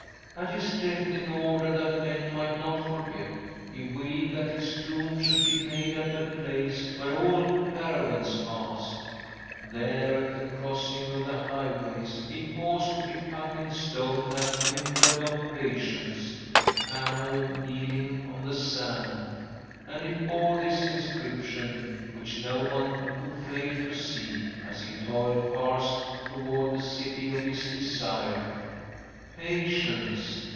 "'At his death, in order that men might not forget, he willed that his tomb should be made at a place where all caravans passed. There, at the crossing of the highways, he caused to be cut in stone that emblem of patience, the camel, kneeling on the sand. And it bore this inscription, which no one could fail to see, as he toiled past toward the City of his Desire: "'"Patience!